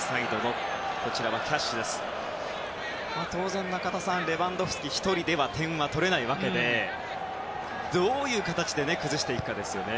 当然、中田さんレバンドフスキ１人では点を取れないわけでどういう形で崩していくかですね。